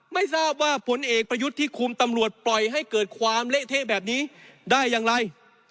ไม่ทราบว่าผลเอกประยุทธ์ที่คุมตำรวจปล่อยให้เกิดความเละเทะแบบนี้ได้อย่างไร